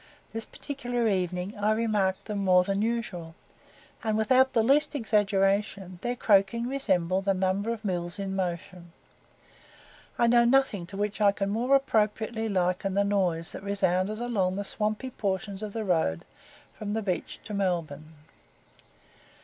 This particular evening I remarked them more than usual, and without the least exaggeration their croaking resembled a number of mills in motion. I know nothing to which I can more appropriately liken the noise that resounded along the swampy portions of the road, from the beach to Melbourne.